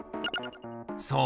そう。